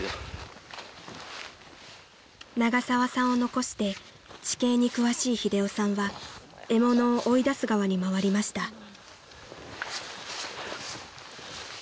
［永沢さんを残して地形に詳しい英雄さんは獲物を追い出す側に回りました］